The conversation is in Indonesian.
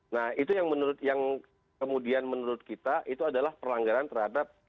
nah itu yang menurut yang kemudian menurut kita itu adalah perlanggaran terhadap